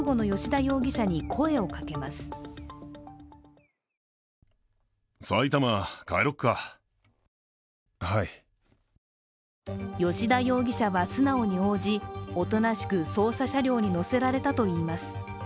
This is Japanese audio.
葭田容疑者は、素直に応じおとなしく捜査車両に乗せられたといいます。